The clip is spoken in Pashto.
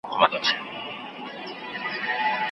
استاد د ليکني ژبه ساده کوي.